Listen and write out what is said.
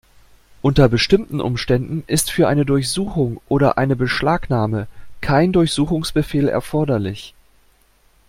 Unter bestimmten Umständen ist für eine Durchsuchung oder eine Beschlagnahme kein Durchsuchungsbefehl erforderlich.